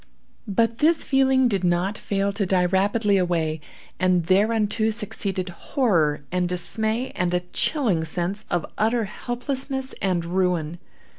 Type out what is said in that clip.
But this feeling did not fail to die rapidly away, and thereunto succeeded horror, and dismay, and a chilling sense of utter helplessness and ruin.